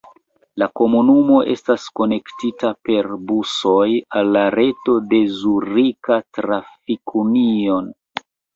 La komunumo estas konektita per busoj al la reto de la Zurika Trafik-Unio.